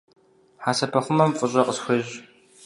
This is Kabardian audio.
Хьэсэпэхъумэм фӏыщӏэ къысхуещӏ.